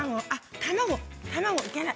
卵、いけない。